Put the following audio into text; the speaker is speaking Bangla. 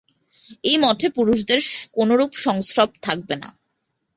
এ মঠে পুরুষদের কোনরূপ সংস্রব থাকবে না।